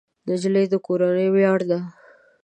نجلۍ د کورنۍ ویاړ ده.